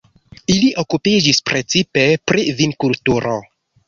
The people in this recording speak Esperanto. Ili okupiĝis precipe pri vinkulturo.